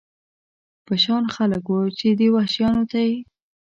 په شان خلک و، چې دې وحشیانو ته یې.